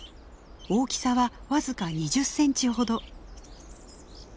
大きさは僅か２０センチほど。